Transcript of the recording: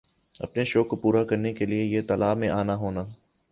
اپنا شوق کوپورا کرنا کا لئے یِہ تالاب میں آنا ہونا